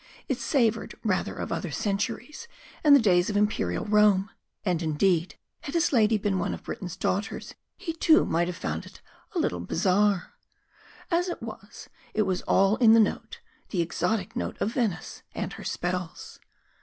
It savoured rather of other centuries and the days of Imperial Rome, and indeed, had his lady been one of Britain's daughters, he too might have found it a little bizarre. As it was, it was all in the note the exotic note of Venice and her spells.